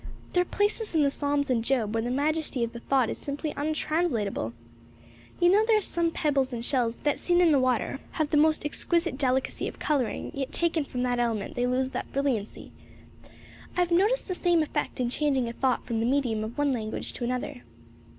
There are places in the Psalms and Job where the majesty of the thought is simply untranslatable. You know there are some pebbles and shells that, seen in water, have the most exquisite delicacy of coloring; yet taken from that element, they lose that brilliancy. I have noticed the same effect in changing a thought from the medium of one language to another."